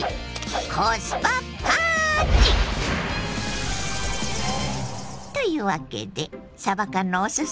コスパ・パーンチ！というわけでさば缶のお裾分け。